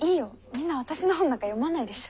みんな私の本なんか読まないでしょ。